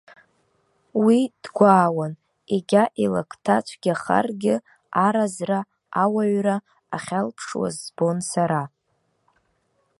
Уи дгәаауан, егьа илакҭа цәгьахаргьы, аразра, ауаҩра ахьалԥшуаз збон сара.